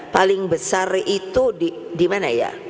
paling besar itu dimana ya